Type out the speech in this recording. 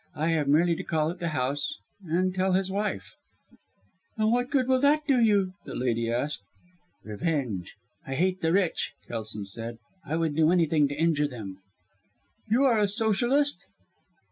I have merely to call at the house and tell his wife." "And what good will that do you?" the lady asked. "Revenge! I hate the rich," Kelson said. "I would do anything to injure them." "You are a Socialist?"